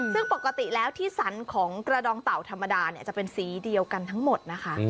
ซึ่งปกติแล้วที่สันของกระดองเต่าธรรมดาเนี่ยจะเป็นสีเดียวกันทั้งหมดนะคะ